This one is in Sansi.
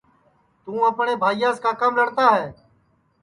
توں اپٹؔؔے بھائیاس کاکام لڑتا ہے